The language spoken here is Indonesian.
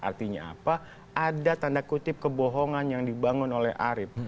artinya apa ada tanda kutip kebohongan yang dibangun oleh arief